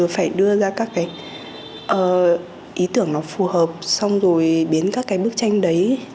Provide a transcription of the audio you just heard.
phải đưa ra các cái ý tưởng nó phù hợp xong rồi biến các cái bức tranh đấy